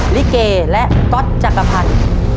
ลิเกและก๊อตจักรพันธ์